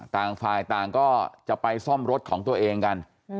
ต่างฝ่ายต่างก็จะไปซ่อมรถของตัวเองกัน